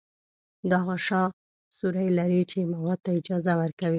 دا غشا سوري لري چې موادو ته اجازه ورکوي.